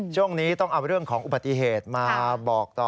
ช่วงนี้ต้องเอาเรื่องของอุบัติเหตุมาบอกต่อ